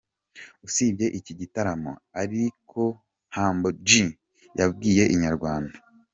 Usibye iki gitaramo ariko Humble G yabwiye Inyarwanda.